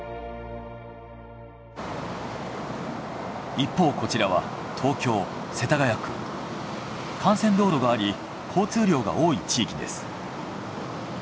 一方こちらは幹線道路があり交通量が多い地域です。